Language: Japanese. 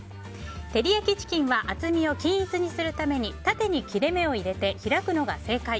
照り焼きチキンは厚みを均一にするために縦に切れ目を入れて開くのが正解。